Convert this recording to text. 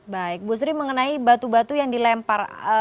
baik bu sri mengenai batu batu yang dilempar